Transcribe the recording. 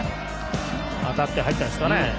当たって入ったんですかね。